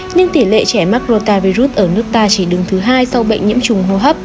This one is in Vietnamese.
nhưng tỷ lệ trẻ mắc rotavirus ở nước ta chỉ đứng thứ hai sau bệnh nhiễm trùng hô hấp